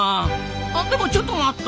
あっでもちょっと待った！